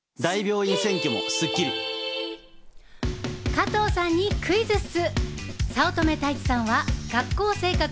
加藤さんにクイズッス！